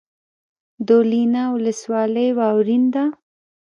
دولینه ولسوالۍ واورین ده؟